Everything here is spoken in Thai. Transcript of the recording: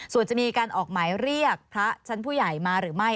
ส่วนจะมีการออกหมายเรียกพระชั้นผู้ใหญ่มาหรือไม่